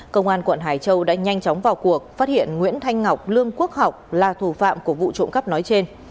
công an quận hải châu đã nhanh chóng vào cuộc phát hiện nguyễn thanh ngọc lương quốc học là thủ phạm của vụ trộm cắp nói trên